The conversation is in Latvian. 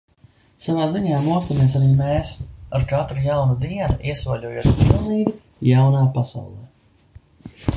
Savā ziņā mostamies arī mēs – ar katru jaunu dienu iesoļojot pilnīgi jaunā pasaulē.